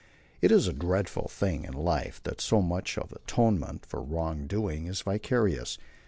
It is a dreadful thing in life that so much of atonement for wrong doing is vicarious.